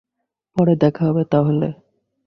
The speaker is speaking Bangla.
পরে দেখা হবে তাহলে।